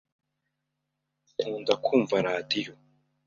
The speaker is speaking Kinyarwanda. Nkunda kumva radio.